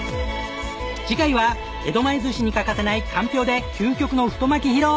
次回は江戸前ずしに欠かせないかんぴょうで究極の太巻き披露！